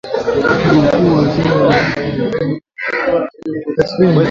Katibu Mkuu wa Wizara ya Mafuta alisema kuwa serikali itatathmini